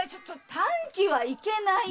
短気はいけないよ。